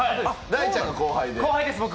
大ちゃんが後輩で。